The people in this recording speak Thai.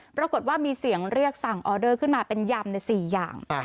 ปรากฏว่ามีเสียงเรียกสั่งออเดอร์ขึ้นมาเป็นยำใน๔อย่าง